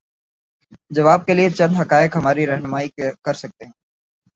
جواب کے لیے چند حقائق ہماری رہنمائی کر سکتے ہیں۔